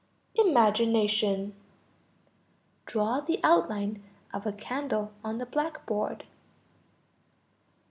Imagination. Draw the outline of a candle on the blackboard.